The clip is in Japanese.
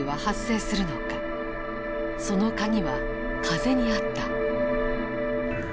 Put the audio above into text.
その鍵は風にあった。